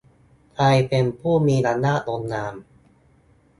ใครเป็นผู้มีอำนาจลงนาม